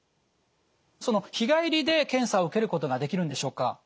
日帰りで検査を受けることができるんでしょうか？